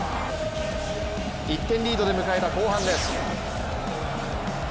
１点リードで迎えた後半です。